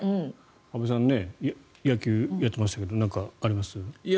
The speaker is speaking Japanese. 安部さん野球やってましたけどなんかあります？